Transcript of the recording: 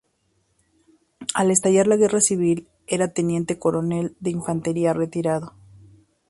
Al estallar la Guerra Civil era teniente coronel de Infantería retirado.